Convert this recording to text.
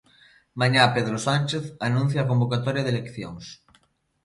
Mañá Pedro Sánchez anuncia a convocatoria de eleccións.